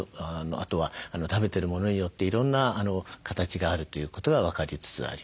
あとは食べてるものによっていろんな形があるということが分かりつつあります。